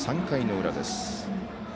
３回の裏です。